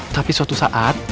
tapi suatu saat